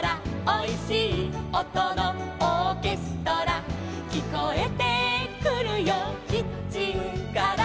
「おいしいおとのオーケストラ」「きこえてくるよキッチンから」